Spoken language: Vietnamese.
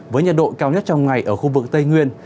với nhiệt độ cao nhất trong ngày ở khu vực tây nguyên